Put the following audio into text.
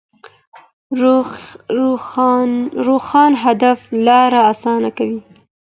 روښانه هدف لار اسانه کوي.